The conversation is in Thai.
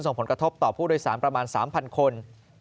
ส่งผลกระทบต่อผู้โดยสารประมาณ๓๐๐คน